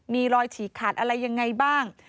มีรอยฉีกขาดอะไรยังไงบ้าง